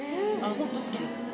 ホント好きです。